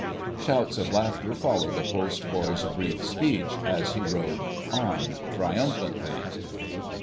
Shouts of laughter followed the post boy's brief speech, as he rode on trium phantly."